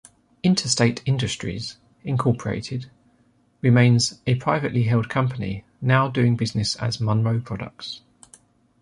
Interstate Industries, Incorporated remains a privately held company, now doing business as Monroe Products.